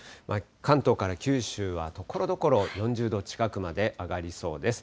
関東から九州はところどころ４０度近くまで上がりそうです。